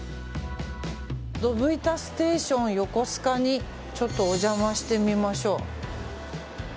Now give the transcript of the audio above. ドブ板ステーション横須賀にちょっとお邪魔してみましょう。